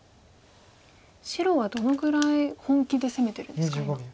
白はどのぐらい本気で攻めてるんですか今。